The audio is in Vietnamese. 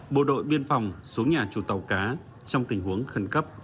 bộ đội biên phòng xuống nhà chủ tàu cá trong tình huống khẩn cấp